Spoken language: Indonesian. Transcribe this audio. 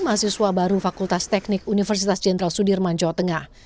mahasiswa baru fakultas teknik universitas jenderal sudirman jawa tengah